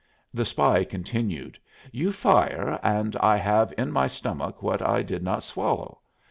The spy continued: "You fire, and I have in my stomach what I did not swallow.